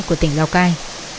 của tỉnh lào cai